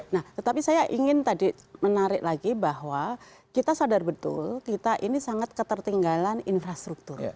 nah tetapi saya ingin tadi menarik lagi bahwa kita sadar betul kita ini sangat ketertinggalan infrastruktur